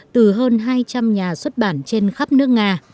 từ hơn hai trăm linh nhà xuất bản trên khắp nước nga